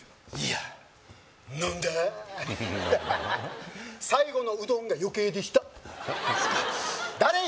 いや飲んだ最後のうどんが余計でした誰？